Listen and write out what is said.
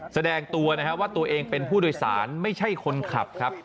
แสดงตัวนะครับว่าตัวเองเป็นผู้โดยสารไม่ใช่คนขับครับ